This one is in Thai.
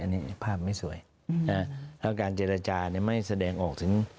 แล้วการเจรจาเนี่ยไม่แสดงออกถึง